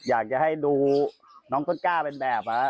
อยากจะให้ดูน้องต้นกล้าเป็นแบบ